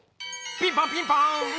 ピンポンピンポン！